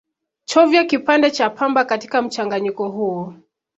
chovya kipande cha pamba katika mchanganyiko huo